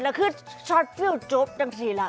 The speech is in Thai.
แล้วคือชอตฟิวต์จู๊บกันสิละ